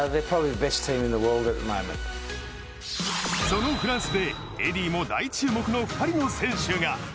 そのフランスでエディーも大注目の２人の選手が。